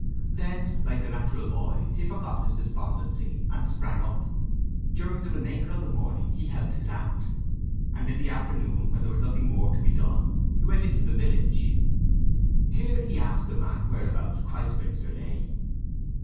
Then, like the natural boy, he forgot his despondency, and sprang up. During the remainder of the morning he helped his aunt, and in the afternoon, when there was nothing more to be done, he went into the village. Here he asked a man whereabouts Christminster lay.